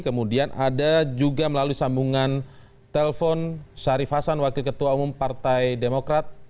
kemudian ada juga melalui sambungan telpon syarif hasan wakil ketua umum partai demokrat